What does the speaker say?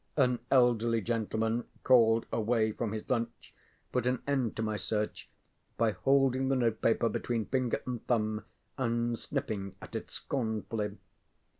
An elderly gentleman called away from his lunch put an end to my search by holding the note paper between finger and thumb and sniffing at it scornfully.